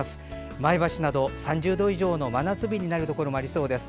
前橋など、３０度以上の真夏日になるところもありそうです。